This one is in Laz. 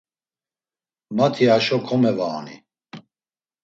Mati haşo komevaona.